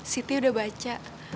siti udah baca